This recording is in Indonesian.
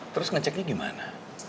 terus ngeceknya gimana